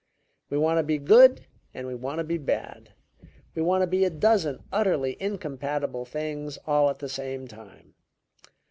We want to be good and we want to be bad; we want to be a dozen utterly incompatible things all at the same time.